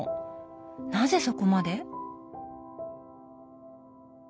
なぜそこまで？